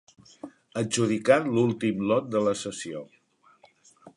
Adjudicat l'últim lot de la sessió.